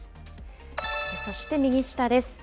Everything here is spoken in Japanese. そして右下です。